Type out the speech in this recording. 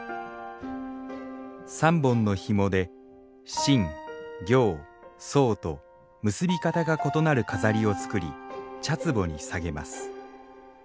３本のひもで真・行・草と結び方が異なる飾りを作り茶つぼに下げます。